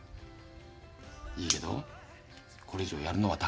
いいけどこれ以上やるのは高いよ。